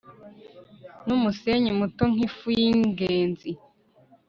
numusenyi muto nkifu yingezi